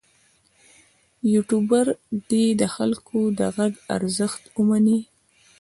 یوټوبر دې د خلکو د غږ ارزښت ومني.